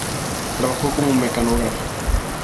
Trabajó como mecanógrafa.